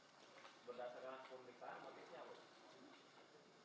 apakah berdasarkan pemerintahan motifnya